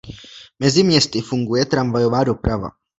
Mezi městy funguje tramvajová doprava.